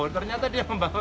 ternyata dia membawa